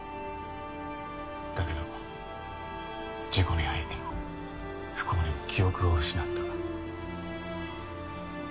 だけど事故に遭い不幸にも記憶を失った。